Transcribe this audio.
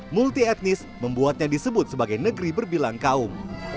multi etnis membuatnya disebut sebagai negeri berbilang kaum